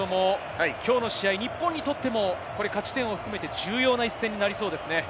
きょうの試合、日本にとっても勝ち点を含めて重要な一戦になりそうですね。